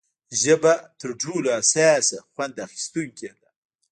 ژله تر ټولو حساس خوند اخیستونکې ده.